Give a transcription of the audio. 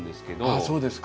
あっそうですか。